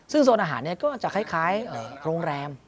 ซึ่งโซนอาหารก็จะคล้ายโรงแรม